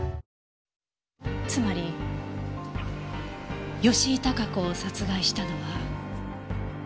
つまり吉井孝子を殺害したのは。